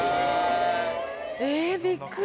えぇびっくり。